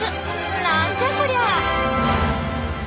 なんじゃこりゃ！？